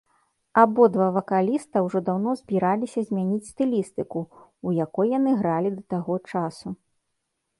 Абодва вакаліста ўжо даўно збіраліся змяніць стылістыку, у якой яны гралі да таго часу.